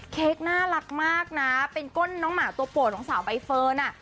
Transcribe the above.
เค้กน่ารักมากนะเป็นก้นน้องหมาตัวโปรดของสาวใบเฟิร์นอ่ะ